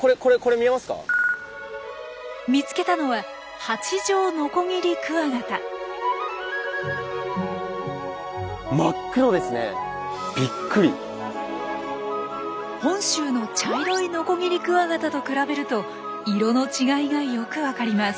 見つけたのは本州の茶色いノコギリクワガタと比べると色の違いがよくわかります。